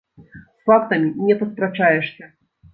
З фактамі не паспрачаешся!